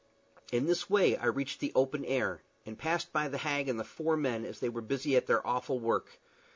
In this way I reached the open air, and passed by the hag and the four men as they were busy at their awful work.